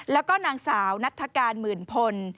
แล้วก็นางสาวนัฐการหมื่นพล